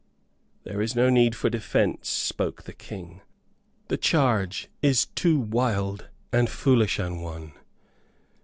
"There is no need for defence," spoke the King; "the charge is too wild and foolish an one.